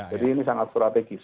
jadi ini sangat strategis